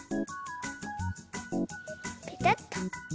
ペタッと。